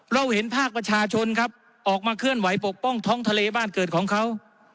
เราเห็นภาคประชาชนครับออกมาเคลื่อนไหวปกป้องท้องทะเลบ้านเกิดของเขา